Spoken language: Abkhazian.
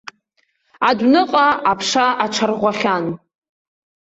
Адәныҟа аԥша аҽарӷәӷәахьан.